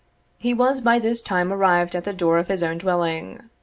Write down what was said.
He was by this time arrived at the door of his own dwelling.